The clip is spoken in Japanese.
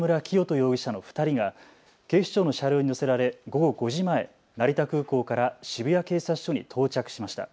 容疑者の２人が警視庁の車両に乗せられ午後５時前、成田空港から渋谷警察署に到着しました。